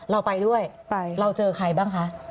เราไปด้วยเราเจอใครบ้างคะ